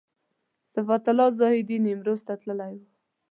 صفت الله زاهدي نیمروز ته تللی و.